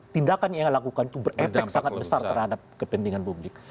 tindakan yang dilakukan itu berepek sangat besar terhadap kepentingan publik